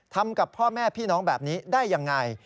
ทำกับพ่อแม่พี่น้องแบบนี้ได้ยังไง